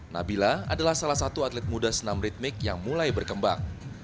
nabila adalah salah satu atlet muda senam ritmic yang mulai berkembang